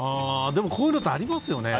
でも、こういうのってありますよね。